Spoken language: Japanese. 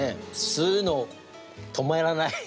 吸うの、止まらない。